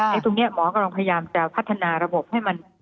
ตรงนี้หมอกำลังพยายามจะพัฒนาระบบให้มัน